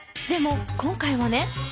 でも今回はね